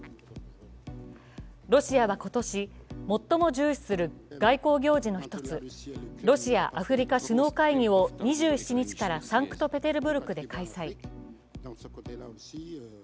ロシアは今年、最も重視する外交行事の一つロシア・アフリカ首脳会議を２７日からサンクトペテルブルクで開催。